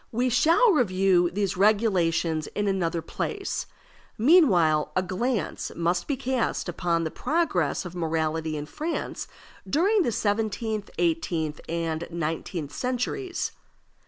We shall review these regulations in another place; meanwhile a glance must be cast upon the progress of morality in France during the seventeenth, eighteenth, and nineteenth centuries.